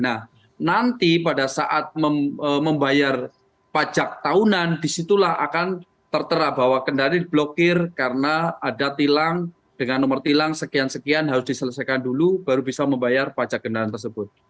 nah nanti pada saat membayar pajak tahunan disitulah akan tertera bahwa kendali diblokir karena ada tilang dengan nomor tilang sekian sekian harus diselesaikan dulu baru bisa membayar pajak kendaraan tersebut